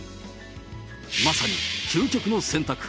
まさに究極の選択。